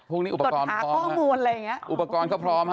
พรุ่งนี้อุปกรณ์เปล่าอุปกรณ์ก็พร้อม